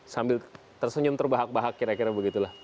sambil tersenyum terbahak bahak kira kira begitulah